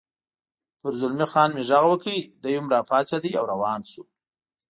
پر زلمی خان مې غږ وکړ، دی هم را پاڅېد او روان شو.